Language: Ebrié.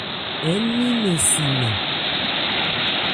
Ń ni nnɛn si nmɛn.